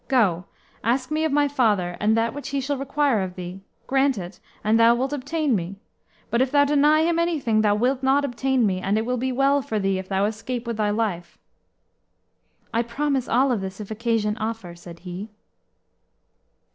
Go, ask me of my father, and that which he shall require of thee, grant it, and thou wilt obtain me; but if thou deny him anything, thou wilt not obtain me, and it will be well for thee if thou escape with thy life." "I promise all this, if occasion offer," said he.